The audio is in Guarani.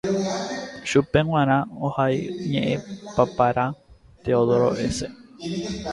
Chupe g̃uarã ohai ñeʼẽpapára Teodoro S.